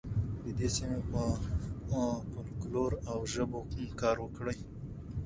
د دې سیمې پر فولکلور او ژبو کار وکړئ.